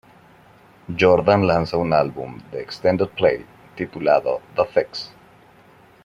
Jordan lanza un álbum de extended play titulado "The Fix".